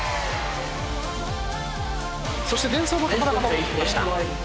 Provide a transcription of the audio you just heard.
そしてデンソーも田が戻ってきました。